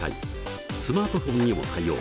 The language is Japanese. スマートフォンにも対応。